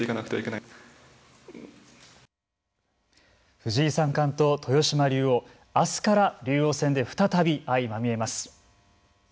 藤井三冠と豊島竜王あすから竜王戦で再び相まみえます。